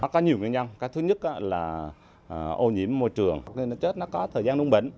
có nhiều nguyên nhân cái thứ nhất là ô nhiễm môi trường nó chết nó có thời gian nung bệnh một hai ngày